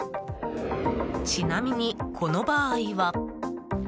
ちなみに、この場合は。